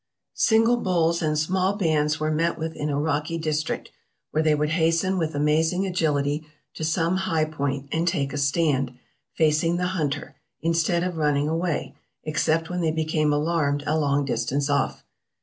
Single bulls and small MISCELLANEOUS 493 bands were met with in a rocky district, where they would hasten with amazing agility to some high point and take a stand, facing the hunter, instead of running away, except when they became alarmed a long distance off.